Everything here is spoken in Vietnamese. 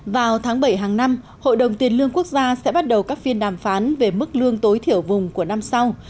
vào tháng bảy hàng năm hội đồng tiền lương quốc gia sẽ bắt đầu các phiên đàm phán về mức lương tối thiểu vùng của năm sau